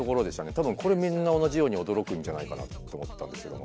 多分これみんな同じように驚くんじゃないかなって思ったんですけども。